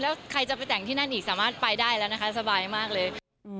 แล้วใครจะไปแต่งที่นั่นอีกสามารถไปได้แล้วนะคะสบายมากเลย